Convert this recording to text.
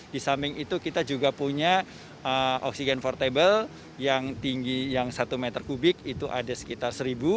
di samping itu kita juga punya oksigen portable yang tinggi yang satu meter kubik itu ada sekitar seribu